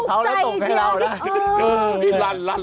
แหมทุกใจเชียวเออลัน